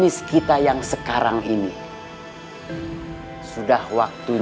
iya kamu yang membuat perencanaan